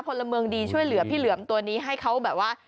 พลเมืองดีช่วยเหลือพี่เหลือมตัวนี้ให้เขาแบบว่า